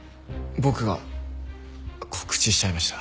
僕が告知しちゃいました。